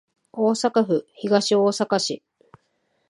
大阪府東大阪市